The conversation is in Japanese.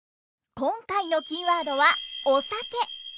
今回のキーワードはお酒！